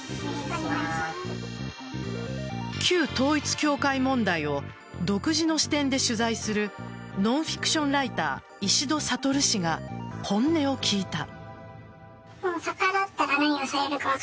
旧統一教会問題を独自の視点で取材するノンフィクションライター石戸諭氏が本音を聞いた。